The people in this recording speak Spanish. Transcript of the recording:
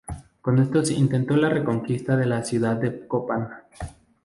Con estos intento la reconquista de la ciudad de Copan.